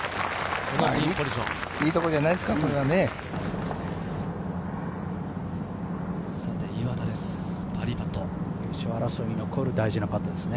いいところじゃないですか？